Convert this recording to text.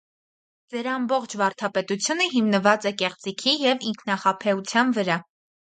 Ձեր ամբողջ վարդապետությունը հիմնված է կեղծիքի և ինքնախաբեության վրա: